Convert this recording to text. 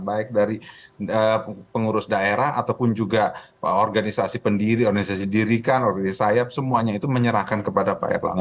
baik dari pengurus daerah ataupun juga organisasi pendiri organisasi dirikan organisasi sayap semuanya itu menyerahkan kepada pak erlangga